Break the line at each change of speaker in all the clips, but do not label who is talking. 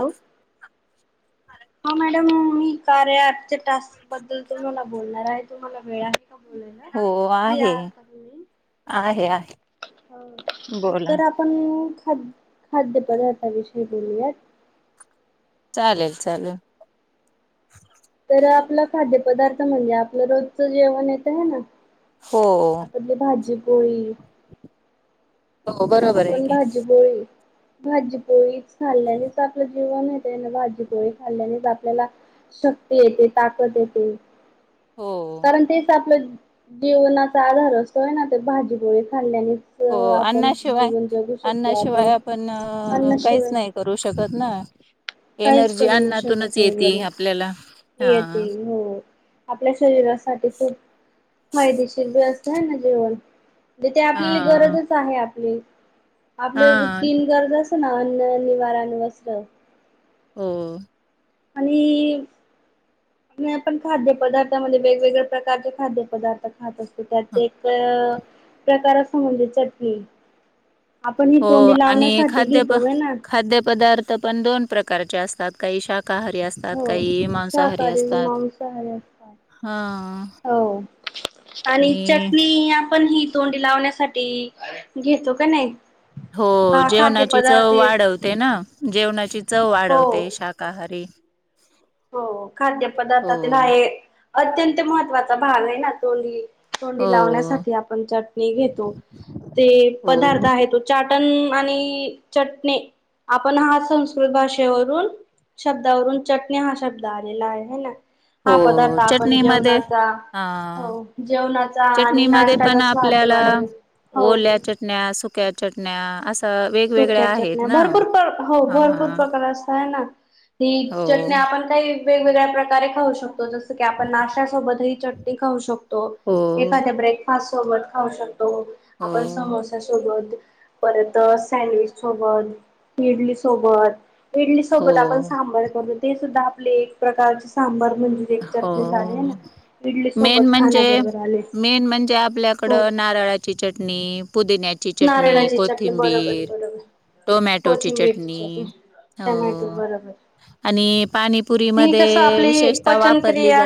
Hello ह madam मी कार्या आच्या टास्क बद्दल तुम्हाला बोलणार आहे तुम्हाला वेळ आहे का बोलायला
हो
फि
आहे
कामी
आहे आहे बोला
तर आपण तू खा खाद्यपदार्थाविषयी बोलूया
चालेल चालेल
तर आपला खाद्य पदार्थ म्हणजे आपलं रोजच जेवण येत आहे ना
हो
आपली भाजीपोळी
हो बरोबर आहे
आपण
की
भाजीपोळी भाजीपोळी खाल्ल्यानेच आपलं जीवन येते भाजीपोळी खाल्ल्याने आपल्याला शक्ती येते ताकद येते
हो
कारण तेच आपलं जीवनाचा आधार असतोय ना ते भाजीपोळी खाल्ल्याने आपण
शिवाय
जीवन जगू शकतो
अन्नाशिवाय आपण काहीच
अन्नाशिवाय
नाही करू शकत ना
काहीच
एनर्जी
करू
अन्नातूनच
शकत हे
येते
बरोब
आपल्याला हा
येते हो आपल्या शरीरासाठी खूप हय दिशील वस्त आहे ना जेवणणजे ते
हा
आपल्याला गरजच आहे आपली
हा
आपलं तीन गरज असत ना अन्ननिवारण वस्त्र
हो
आणि आणि आपण खाद्य पदार्थामध्ये वेगवेगळ्या प्रकारचे खाद्य पदार्थ खात असतो त्यात एक प्रकार अस म्हणजे चटणी आपण ही
हो
तोंडी
आणि
लावण्यासाठी
खाद्य
घेतो ग ना
खाद्यपदार्थ पण दोन प्रकारचे असतात काही शा काहारी असतात
हो
काही मांसाहारी
शाकाहारी
असतात
मांसाहारी असतात.
हा
हो आणि चटणी आपण हि तोंडी लावण्यासाठी घेतो का नाही
हो
हा
जेवणाची चव
खाद्यपदार्थ
वाढवते ना जेवणाची चव वाढवते
हो
शाकाहारी
हो
हो,
खाद्यपदार्थातील आहे अत्यंत महत्त्वाचा भाग आहे ना तोनी
हो.
तथोंडी लावण्यासाठी आपण चटणी घेतो ते
हो,
पदार्थ आहे तो चाटण आणि चटणे आपण हा संस्कृत भाषेवरून शब्दावरून चट यहा शब्द आलेला आहे है ना
हो
हा पदार्थ आपण
चटणीमध्ये
जेवणाचा
हां,
जेवणाचा आणि
चटणीमध्ये
नाश््याचा
पण
स्वा हत
आपल्याला
वाढवणे
ओल्या
हो
चटण्या सुक्या चटण्या असं तर वेगवेगळ्या
सुक्या
आहेत
चटण्या
ना
भरपूर प्र हो भरपूर
हा
प्रकार असताय ना. ही चटणी आपण काही वेगवेगळ्या प्रकारे खाऊ शकतो जस आपण नाश्यासोबत ह चटणी खाऊ शकतो
हो,
एखाद्या ब्रेकफास्ट सोबत खाऊ शकतो त आपण
हो,
समोस सोबत परतच सँडविच सोबत इडली सोबत इडली सोबत आपण
हो,
सांबार करून ते सुद्धा आपले एक प्रकारचे सांबर म्हणजे एक
हो.
चटणी झाली आहे ना इडली
मेन
सोबत
म्हणजे
खाण्याबरोबर आले
मेन म्हणजे आपल्याकड
हो
नारळाची चटणी पुदिन्याची चटणी
नारळाची बरोबर
कोथिंबीर
बरोबर.
टोमॅटोची चटणी
टमॅटो
हो
बरोबर
आणि पाणीपुरी मध्ये विशेष
पचन क्रिया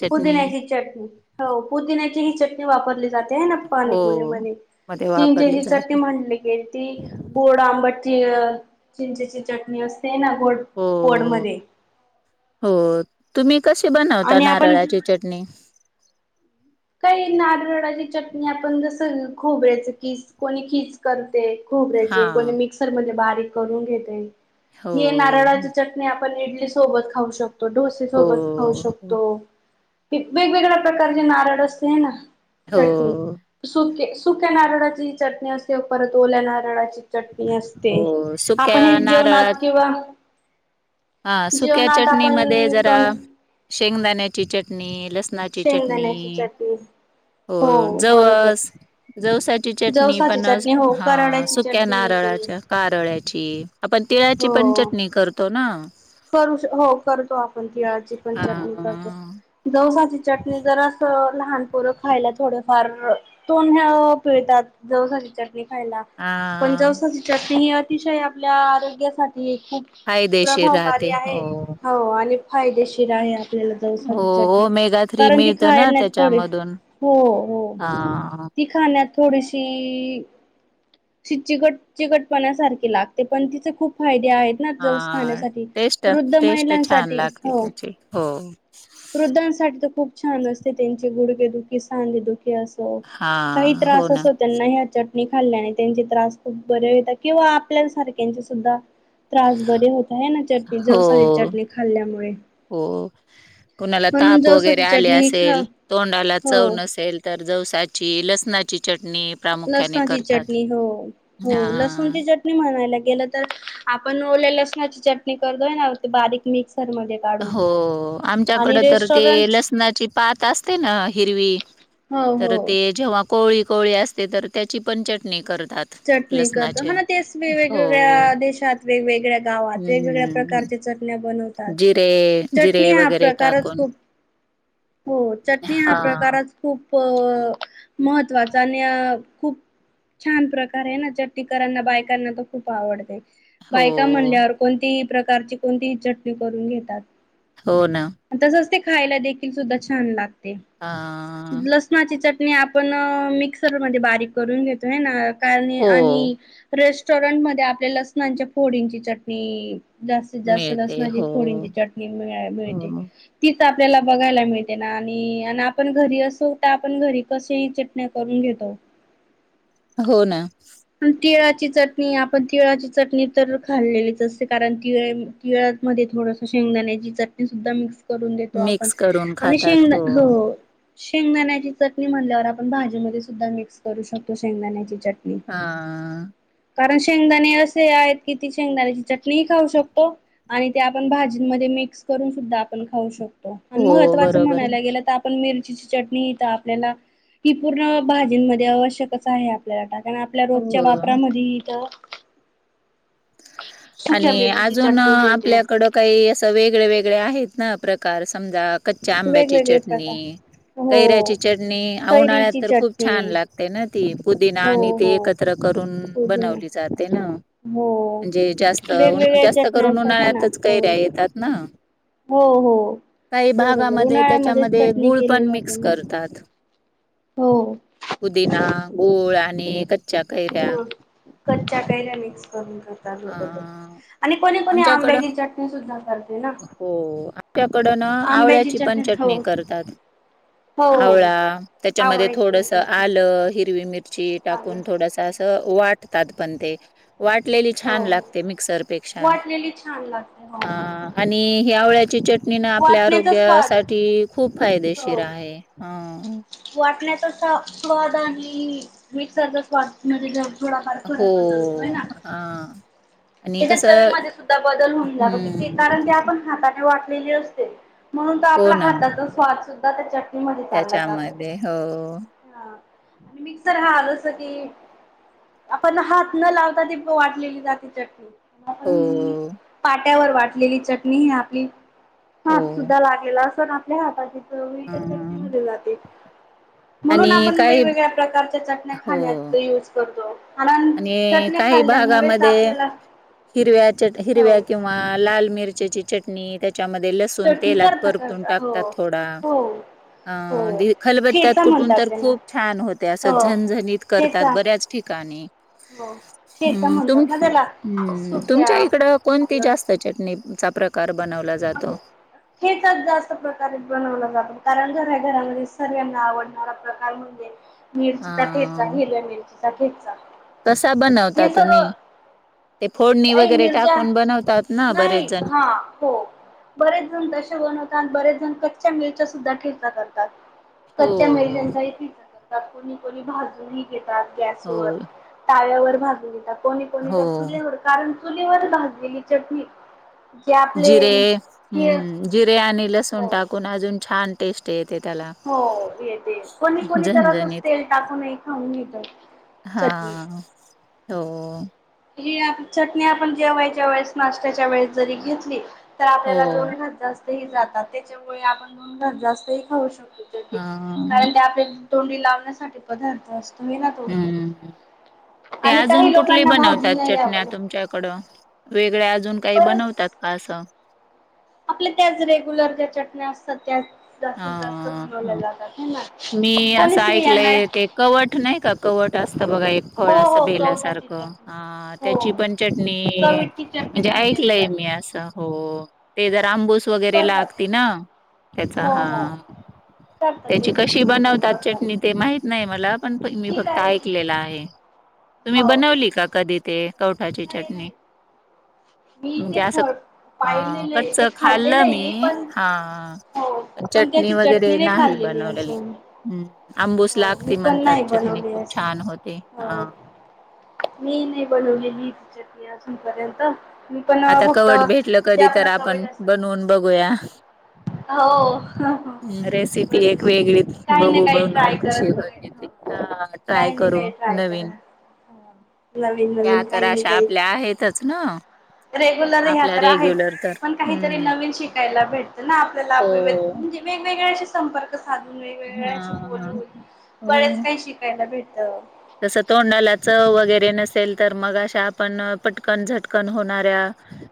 चटणी
पुदिन्याची चटणी हो पुदि क ही चटणी वापरली जाते ह ना
हो
पाणीपुरी मध्ये
मध्ये वापरली
चिंचेची चट
जाते
म्हटली गेल ती बोड आबट त चिंचेची चटणी असते ते ना गोड
हो
गोड मध्ये
हो तुम्ही कशी बनवता
आणि आपण
नारळाची चटणी
काही नारळाची चटणी आपण जस खोबयच कीच कोणी खीच कर
हा
खोबऱ्या कोणी मिक्सर मध्ये बारीक करून घेते
हो
ह नारळाची चटणी आपण इडली सोबत खाऊ शकतो डोसे
हो
सोबत खाऊ
हो
शकतो वेगवेगळ्या प्रकारचे नारळ असते ना चटणी
हो
सुके सुक्या नारळाची चटणी असते परत ओल्या नारळाची चटणी असते
हो.
आपण हे
सुक्या नारळात
जेवणात किंवा
हा सुक्या
जेवणात
चटणी म
आपण
जरा
तोंड
शेंगदाण्याची चटणी लसणाची चटणी
शेंगदाण्याची चटणी
हो जवस जवसाची चटणी
जवसाची
पण
चटणी हो
ह
कराड्याची
सुक्या
चटणी येते
नारळ कारळची आपण तिळाची पण
हो
चटणी करतो ना
करू हो करतो आपण तिळाची पण
हा
चटणी करतो ज चटणी द रस लहान पोरं खायला थोडफार तोंड पिळतात. जवसाची चटणी
हा
पण ज अतिशय आपल्या आरोग्यासाठी ही खूप
फायदेशीर
प्रभावकारी
राहते
आहे.
हो
हो, आणि फायदेशीर आहे. जाऊसा
हो
चटणी
ओमेगा थ्री
कारण ती
मिळतं ना
खायला नाही थोडी
त्याच्यामधून
हो, हो
हा
ती खाण्यात थोडीशी... ति चिकट चिकटपणासारखे लागते, पण तिचे खूप फायदे आहेत ना...
हा
खाण्यासाठी.
टेस्ट
वृद्ध
टेस्ट छान
महिलांसाठी
लागते
हो
त्याची हो
वृद्धांसाठी खूप छान असते त्यांचे गुडके दुखी, सांधे दुखी अस
हा
काही
हो
त्रास
ना
असो त्यांना ह नि खाल्ल्याने त्यांचे त्रास खूप बरे होतात किंवा आपल्या सारख्यांचे सुद्धा त्रास बरीे होत आहे ना, चटणी
हो
जवसाली चटणी खाल्ल्यामुळे
हो, कुणाला
म्हणून
ताप वगैरे
जवसाची
आले
चटणी ही खा
असेल, तोंडाला चव
हो
नसेल तर ज ची लसणाची चट
लसणची चटणी! हो,
हा
हो लसूणची चटणी म्हणायला गेलं तर आपण लेलच ना, चटणी करतोय ना बारीक मिक्स
हो, आमच्याकडे तर ते
रेस्टॉरंट
लसणाची पात असते ना, हिरवी
हो
तर
हो
ते जेव्हा कोळी कोळी असते तर त्याची पण चटणी करत
चटणी करतो हा ना तेच
हो
वेगवेगळ्या देशात, वेगवेगळ्या गावात, वेगवेगळ्या
हम्म
प्रकारचे ण्या बनवतात.
जिरे
चटणी
जिरे
हा
वगैरे
प्रकारच
टाकून
खूप हो, चटणी हा प्रकारच खूप महत्वाचा आणि खूप छान प्रकार चट्टकरांना बायकांना खूप आवडते.
हो
बायका म्हणल्यावर कोणतीही प्र प्रकारची कोणती चटणी करून घेतात.
हो, ना
तसच ते खायला देखील सुद्धा छान लागते.
अ
लसणाची च आपण मिक्सर मधे बारीक करून घेतोय हे ना कार
हो
आणि र रेस्टॉरंट मध्ये आपल्या लसणाच्या फोडींची चटणी जास्तीत जास्त
मिळते
लसणाची
हो
फोडींची चटणी मि मिळते
हो
ती आपल्याला बघायला मिळते ना आणि आण् आपण घरी असो तर आपण घरी कसे ही चटण्या करून घेतो. हो.
हो, ना
तिळाची चटणी आपण तिळाची चटणी तर खाल्लेलीच असते. कारण तिळे तिळा मध्ये थोडस शेंगदाण्याची चटणी सुद्धा मिक्स करून देतो आपण
मिक्स करून
आणि
खातात
शेंगणा हो. शेंगदाण्याची चटणी म्हणल्यावर, आपण भाजी मध्ये सुद्धा मिक्स करू शकतो शेंगदाण्याची चटणी.
हाहा
कारण शेंगदाणे असे आहेत की, ती शेंगदाण्याची चटणीही खाऊ शकतो आणि ते आपण भाजीमध्ये मिक्स करून सुद्धा आपण खाऊ शकतो. आणि
हो
महत्त्वाचं
बरोबर आहे.
म्हणायला गेलं तर आपण मीर रचि चटणी इथं आपल्याला ती पूर्ण भाजी मध्ये आवश्यक आहे आपल्याला टाका च्या
हो
वापरामधी त सुक्या
आणि
मिरचीची
अजून
चटणी देते
आपल्याकडं काही असं वेगळे वेगळे वेगळे आहेत ना प्रकार समजा कच्च्या आंब्याची
वेगवेगळे
चटणी
प्रकार हो
कैऱ्याची चटणी, उन्हाळ्यात
कैरीची
तर खूप छान
चटणी
लागते ना, ती पुदिना
हो
आणि ते
हो
एकत्र करून
पुदिना
बनवली जाते ना.
हो.
म्हणजे जास्त
वेगवेगळ्या
जास्त
चटण्या
करून
असतात हे ना
उन्हाळ्यातच कैऱ्या
हो
येतात ना
हो हो
काही
बरोबर
भागामध्ये
उन्हाळ्यामध्येच
त्याच्यामध्ये
चटणी
गुळ
केली
पण
जाते
मिक्स
ना
करतात.
हो.
पुदिना, गुळ आणि कैऱ्या
गुळ, कच्चा कैऱ्या मिक्स करून करतात. बरोबर.
आ,
आणि कोणी कोणी
आमच्याकडं
आंब्याची चटणी सुद्धा करते ना.
हो, अक्क्याकडन
आंब्याची
आवळ्याची पण
हो.
चटणी करतात.
हो हो
आवळा, त्याच्यामध्ये
आवळ्याची
थोडस
चटणी
आलं हिरवी मिरची
आलं
टाकून थोडसं असं
अच्छा
वाटतात पन ते, वाटले
हो
छान
हो.
लागते, मिक्सरपेक्षा,
वाटलेली छान लागते हो
हा
बरोबर.
आणि आवळ्याची चट चटणी ना आपल्या
वाटण्याचा स्वाद
आरोग्यासाठी खूप फायदेशीर
हो.
आहे. हा.
वाटण्याचा स्वाद आणि मिक्सरचा स्वाद ममध्ये थोडाफार
हो
फरक जाणवतो च ना.
हा आणि
त्याच्या
कसं
चवीमध्ये सुद्धा बदल होऊन जातो, कारण
हम्म
ते आपण हाताने वाटत म्हणून
हो
आपल्या
ना
हाताचा स्वाद सुद्धा त्याच्या चालला जातो,
त्याच्यामध्ये हो
आणि मिक्सर हा आ जस की आपण हात न लावता ते वाटलेली जातेऽ ण
हो
पाट्यावर वाटलेली चटणी हि आपली हात
हो.
सुद्धा लागेला असण आपल्या हाताची चव ही
हा.
त्याच्यात [unintelligible] जाते. म्हणून
आणि
आपण
काही
वेगवेगळ्या प्रकारच्या चटण्या
हो
खाण्यात यूज करतो. कारण
आणि
चटण्या
काही
खाल्ल्यामुळेच
भागामध्ये
आपल्याला
हिरव्या, हिरव्या
हो
किंवा लाल मिरच्याची चटणी त्या त्याच्यामध्ये लसूण
चटणी
तेलात
करता
परतून
करता हो
टाकतात थोडा.
हो
अ
हो
खलबत्त्यात
ठेचा
कुठून
म्हणतात
तर
त्यांना
खूप छान होते,, असं
हो
झनझणीत करतात
ठेचा
बऱ्याच ठिकाणीऽ
हो ठेचा
आम्
म्हणतात
तुमच
ना त्याला
आम्
सुक्या
तुमच्या इकड कोणती
आपलं
जास्त चटणी?
ठेचाच जास्त प्रकारे बनवला जातो. कारण घरात, घरामध्ये सगळ्यांना आवडणारा प्रकार म्हणजे मिरचीचा ठेचा,
अ
हिरव्या मिरची चा ठेचा.
कसा बनवता
हे सर्व
तुम्ही? फोडणी
काही
वगैरे
मिरच्या
टाकून बनवतात ना बरेच
नाही
जण,,
हा हो. बरेच जण तसे बनवतात, बरेचऽ कच्च्या मिरच्या चार सुद्धा ठेचा करतात,
हो
कच्च्या मिरच्या
हो
चा ठेचा करतात. कोणी, कोणी भाजूनही घेतात गॅसवर,
हो
ताव्यावर भाजून घेतात. कोणी, कोणी तर
हो
चुलीवर,,, कारण चुलीवर भाजलेली चटणीऽ
जिरे, हम् जिरे आणि लसूण
हो
टाकून अजून छान टेस्ट येतऽ
हो, येते, कोणी कोणी तर असच
झणझणीत.
तेल टाकून खाऊन घेतऽ
हा, हो,
ही आप चटणी आपण जेवायच्या वेळेस, नाश््याच्या वेळेस जरी घेतलीऽ तर
हो.
आपल्याला दोन घास जास्त ही जातात, त्याच्यामुळे आपण दोन घास जास्त ही खाऊ शकतो. कारण
हां.
ते आपल्या तोंडी लावण्यासाठी पदार्थ असतोऽ तो,,
हम्म. ते
आणि
अजून
काही
कुठली
लोकांना भाजऽ
बनवतात चटण्या तुमच्याकडं वेगळ्या अजून काही
बरेच
बनवतात का असं?
आपल्या त्याच रेग्युलर ज्या चटण्या असतात त्याऽ
हा, ह मी
कोणी
असं
स्त्रियांना
ऐकलंय ते कवट नाही का,,, कवट असऽ बघा एक फळ,
हो
असं
हो
बेला
कवठाची
सारखं,
चटणी.
अ
हो
त्याची पण चटणी
कवीटची चटणी पण
म्हणजेऽ
केली
य मी
जाते.
अस, हो ते, जर
हो
आंबूस वगैरे
करतात ते
लागती ना त्याऽ
हो हो.
हहाा,
करतात
त्याची कशी
चटणी पण
बनवतात
करतात
चटणी ते माहित नाही मला पण मी
ठीक
फक्त
आहे
ऐकलेला आहे. तुम्ही
हो
बनवली का कधी ते कवठाची
नाही
चटणी?
नाही मी
म्हणजे
ते
असं
फरऽ
अ
पाहिलेलं आहे,
कच्च
ते
खाल्लं
खाल्लेलं आहे मी पण,,,
हा
होऽ पण त्याची चटणी नाही खाल्लेली अजूनऽ
हम्म आंबूस
हो मी
लागते
पण
म्हणतात
नाही
चटणी
बनवली
खूप
अस,,
छान होते
होऽ
हा.
मी नाही बनवलेली ती चटणी अजूनपर्यंत,, मी पण
आता
फ्कत
कवट भेटलं
जे
कधी
आपलं
तर आपण
कट अस,,
बनवून बघूया
होऽ
रेसिपी एक वेगळी
काही ना
बघू
काही
बघ नो.
ट्राय
ज
करत बघाय
त
हो
ट्राय
काही नाही
करू
काही ट्राय करा.
नवीन.
नवीन
त्या
नवीन
तर
काही ना
अशा
काही
आपल्या आहेतच ना
रेग्युलर ह्या
आपल्या
तर आहेच.
रेग्युलर. तर
पण काहीतरी
हम्म.
नवीन शिकायला भेटतं ना आपल्याला
हो.
म्हणजे वेगवेगळ्याशी संपर्क. साधून वेगवेगळ्याशी
हा
बोलून बरेच
हो.
काही शिकायला भेट.
नल तर मग अशा आपण पटकन झटकन होणाऱ्या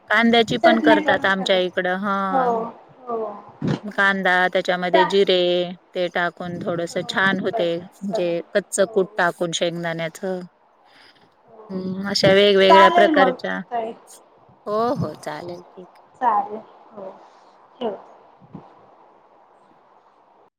कांद्याची पण
चटण्या
करतात
करून खाता
आमच्या इकडं ह.
हो हो
कांदा त्याच्यामध्ये
चा
जिरे ते टाकून थोडस
हो
छान होते
करत कर
म्हणजे कच्च कुट. शेंगदाण्याचं
ह.
हम्म अशा वेगवेगळ्या प्रकारच्या
ताई
हो हो चालेल ठीक.
चालेल हो हम.